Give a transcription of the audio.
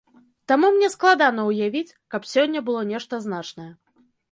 Таму мне складана ўявіць, каб сёння было нешта значнае.